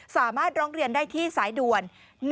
สามารถร้องเรียนได้ที่สายด่วน๑๓๔๘